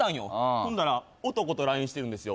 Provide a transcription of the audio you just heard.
ほんだら男とＬＩＮＥしてるんですよ